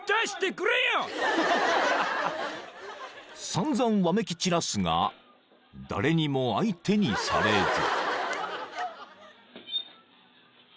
［散々わめき散らすが誰にも相手にされず］